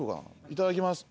いただきます。